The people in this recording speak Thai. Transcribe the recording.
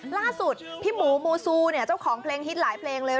ล่าสุดพี่หมูมูซูเนี่ยเจ้าของเพลงฮิตหลายเพลงเลย